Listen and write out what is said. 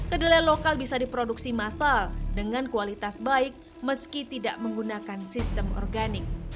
kedelai lokal bisa diproduksi massal dengan kualitas baik meski tidak menggunakan sistem organik